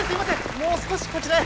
もう少しこちらへ。